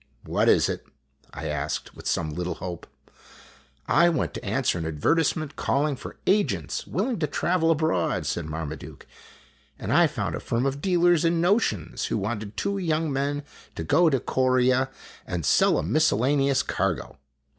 " What is it?' I asked, with some little hope. " I went to answer an advertisement calling for agents willing to travel abroad," said Marmaduke, " and I found a firm of dealers in notions who wanted two young men to go to Corea and sell a mis cellaneous cargo."